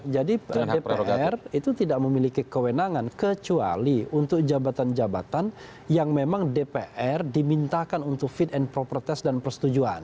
jadi dpr itu tidak memiliki kewenangan kecuali untuk jabatan jabatan yang memang dpr dimintakan untuk fit and proper test dan persetujuan